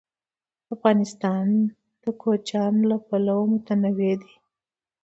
افغانستان د کوچیان له پلوه متنوع دی.